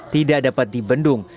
tidak dapat dibendung